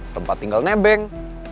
tempat tinggal nebeng